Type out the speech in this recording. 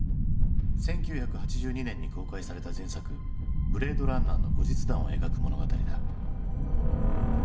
１９８２年に公開された前作「ブレードランナー」の後日談を描く物語だ。